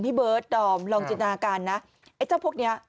พี่เบิร์ตลองจินตนาการนะไอ้เจ้าพวกนี้